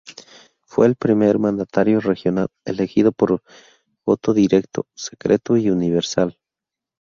Fue el primer mandatario regional elegido por voto directo, secreto y universal.